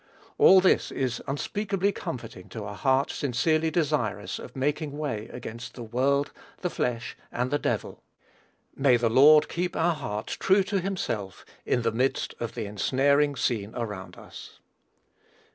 All this is unspeakably comforting to a heart sincerely desirous of making way against "the world, the flesh, and the devil." May the Lord keep our hearts true to himself in the midst of the ensnaring scene around us.